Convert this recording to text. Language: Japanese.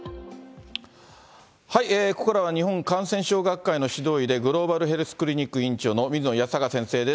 ここからは日本感染症学会の指導医でグローバルヘルスクリニック院長の水野泰孝先生です。